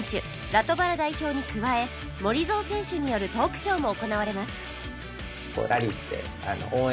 ラトバラ代表に加えモリゾウ選手によるトークショーも行われます